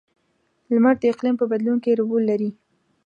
• لمر د اقلیم په بدلون کې رول لري.